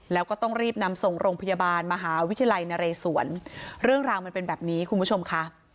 แล้วก็ต้องรีบนำส่งโรงพยาบาลมหาวิทยาลัยนเรศวรเรื่องราวมันเป็นแบบนี้คุณผู้ชมค่ะ